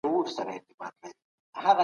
افریقا د فیل ټاټوبی ښودل شوی دی.